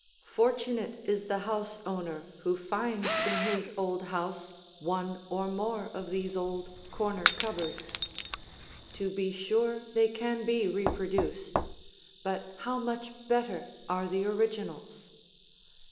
Fortunate is the house owner who finds in his old house one or more of these old corner cupboards. To be sure they can be reproduced; but how much better are the originals.